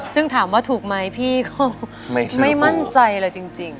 ซึ่งถามว่าถูกไหมพี่ก็ไม่มั่นใจเลยจริง